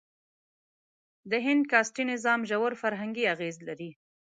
هند کاسټي نظام ژور فرهنګي اغېز لري.